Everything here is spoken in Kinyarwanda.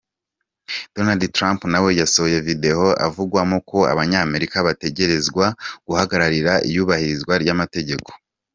Donald Trump nawe yasohoye video avugamwo ko Abanyamerika bategerezwa guhagararira iyubahirizwa ry'amategeko.